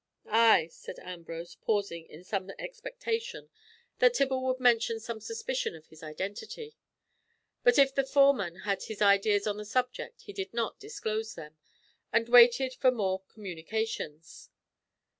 "Ay," said Ambrose, pausing in some expectation that Tibble would mention some suspicion of his identity; but if the foreman had his ideas on the subject he did not disclose them, and waited for more communications.